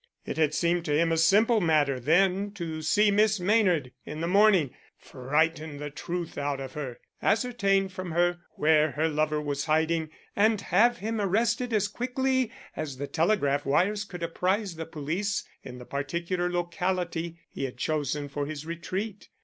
It had seemed to him a simple matter then to see Miss Maynard in the morning, "frighten the truth out of her," ascertain from her where her lover was hiding, and have him arrested as quickly as the telegraph wires could apprise the police in the particular locality he had chosen for his retreat.